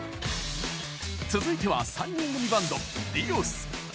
続いては３人組バンド、Ｄｉｏｓ。